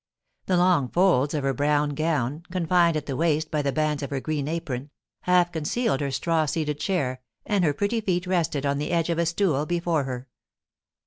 The long folds of her brown gown, confined at the waist by the bands of her green apron, half concealed her straw seated chair, and her pretty feet rested on the edge of a stool before her.